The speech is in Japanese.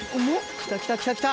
きたきたきたきた！